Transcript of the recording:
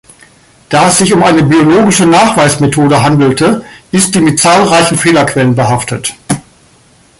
Da es sich um eine biologische Nachweismethode handelte, ist sie mit zahlreichen Fehlerquellen behaftet.